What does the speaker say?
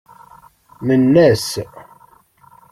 Nenna-as.